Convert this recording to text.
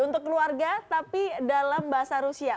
untuk keluarga tapi dalam bahasa rusia